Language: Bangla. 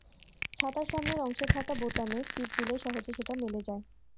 ছাতার সামনের অংশে থাকা বোতামে টিপ দিলেই সহজে সেটা মেলে যায়।